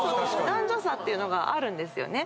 男女差っていうのがあるんですね。